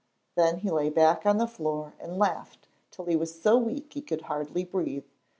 Then he lay back on the floor and laughed till he was so weak he could hardly breathe.